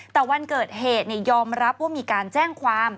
แต่วันเกิดเหตุยอมรับว่ามีการแจ้งความ